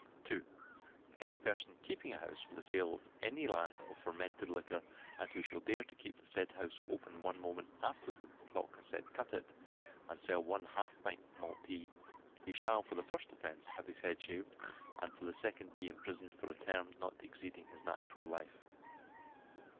2. Any person keeping a house for the sale of any land of fermented liquor, and who shall dare to keep the said house open one moment after the clock has said cut it, and sell one half pint of malt tea, he shall for the first offence have his head shaved, and for the second shall be imprisoned for a term not exceeding his natural life.